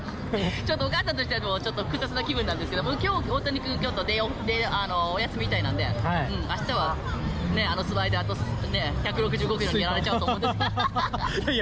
お母さんとしては複雑な気分なんですけれども、きょう、大谷君、お休みみたいなんで、あしたは、あのスライダーと、１６５キロにやられちゃうと思うんですけど。